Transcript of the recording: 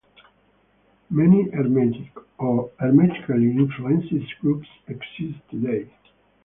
Many Hermetic, or Hermetically influenced, groups exist today.